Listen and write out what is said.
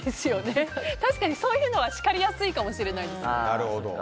確かにそういうのは叱りやすいかもしれないですね。